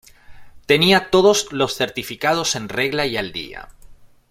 Tenía todos los certificados en regla y al día.